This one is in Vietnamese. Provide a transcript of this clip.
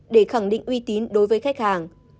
để khẳng định uy tín đối với khách hàng